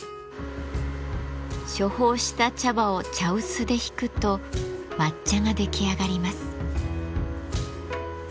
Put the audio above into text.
処方した茶葉を茶臼でひくと抹茶が出来上がります。